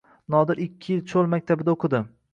Nodir ikki yil cho‘l maktabida o‘qidi.